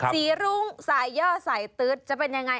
รุ้งสายย่อสายตื๊ดจะเป็นยังไง